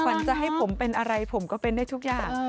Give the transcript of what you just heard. จะให้ผมเป็นอะไรผมก็เป็นได้ทุกอย่าง